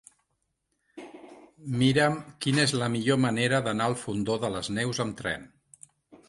Mira'm quina és la millor manera d'anar al Fondó de les Neus amb tren.